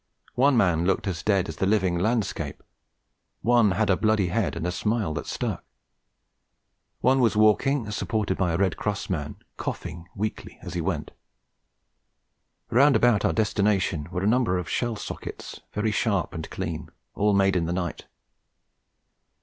One man looked as dead as the livid landscape; one had a bloody head and a smile that stuck; one was walking, supported by a Red Cross man, coughing weakly as he went. Round about our destination were a number of shell sockets, very sharp and clean, all made in the night.